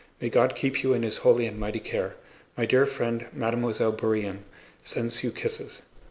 May God keep you in His holy and mighty care. My dear friend, Mademoiselle Bourienne, sends you kisses.